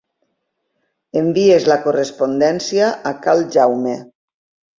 Envies la correspondència a cal Jaume.